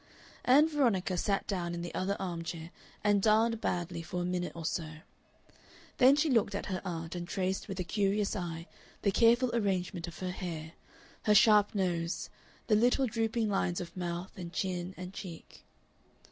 Ann Veronica sat down in the other arm chair and darned badly for a minute or so. Then she looked at her aunt, and traced with a curious eye the careful arrangement of her hair, her sharp nose, the little drooping lines of mouth and chin and cheek.